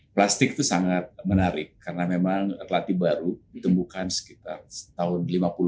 plastik itu sangat menarik karena memang relatif baru ditemukan sekitar tahun seribu sembilan ratus lima puluh